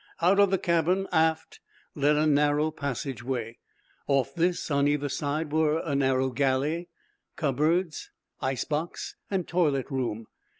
Out of the cabin, aft, led a narrow passageway. Off this, on either side, were a narrow galley, cupboards, ice box and toilet room.